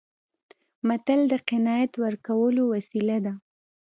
متل د قناعت ورکولو وسیله ده